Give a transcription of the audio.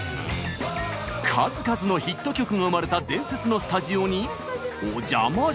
数々のヒット曲が生まれた伝説のスタジオにお邪魔しました！